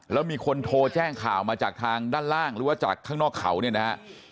แล้วมีคนโทรแจ้งข่าวมาจากทางด้านล่างหรือว่าจากข้างนอกเขาเนี่ยนะฮะ